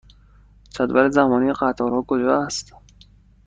جدول زمانی قطارها کجا است؟